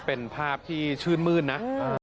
เป็นภาพที่ชื่นมื้นนะ